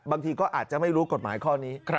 บางทีก็อาจจะไม่รู้กฎหมายข้อนี้